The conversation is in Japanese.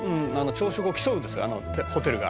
朝食を競うんですホテルが」